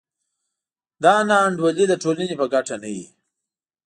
دا نا انډولي د ټولنې په ګټه نه وي.